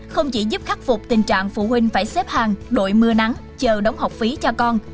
không chỉ giúp khắc phục tình trạng phụ huynh phải xếp hàng đổi mưa nắng chờ đóng học phí cho con